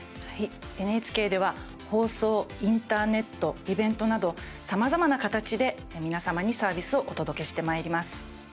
ＮＨＫでは放送、インターネットイベントなど、さまざまな形で皆様にサービスをお届けしてまいります。